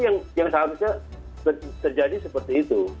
yang seharusnya terjadi seperti itu